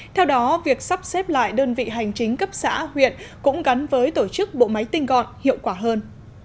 theo đó việc sắp xếp lại đơn vị hành chính cấp xã huyện cũng gắn với tổ chức bộ máy tinh gọn hiệu quả hơn